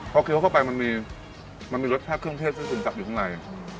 พอเคี้ยวเข้าไปมันมีรสชาติเครื่องเทศที่ซึมจับอยู่ข้างใน